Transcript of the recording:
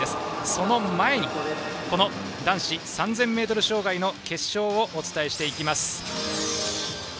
その前に、男子３０００ｍ障害の決勝をお伝えしていきます。